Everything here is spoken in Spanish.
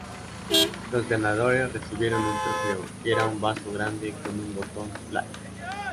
Los ganadores recibieron un trofeo, que era un vaso grande con un botón "play".